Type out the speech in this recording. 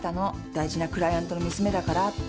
大事なクライアントの娘だからって。